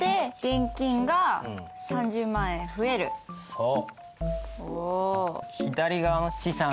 そう。